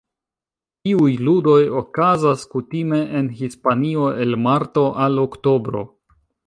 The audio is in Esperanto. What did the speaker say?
Tiuj ludoj okazas kutime en Hispanio el marto al oktobro.